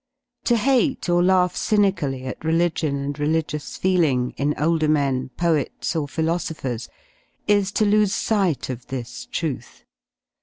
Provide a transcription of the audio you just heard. vV To hate or laugh cynically at religion and religious feeling in older men, poets or philosophers, is to lose sight of this truth.